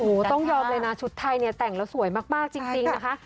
โอ้โหต้องยอมเลยนะชุดไทยเนี่ยแต่งแล้วสวยมากจริงนะคะ